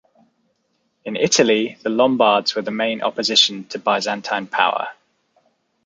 In Italy the Lombards were the main opposition to Byzantine power.